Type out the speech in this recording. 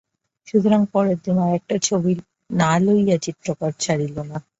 সুতরাং পরের দিন আর-একটা ছবি না লইয়া চিত্রকর ছাড়িল না।